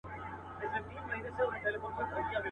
نا امیده له قاضي له حکومته .